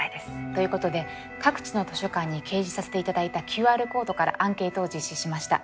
ということで各地の図書館に掲示させて頂いたＱＲコードからアンケートを実施しました。